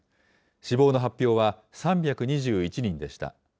死亡の発表は３２１人でした。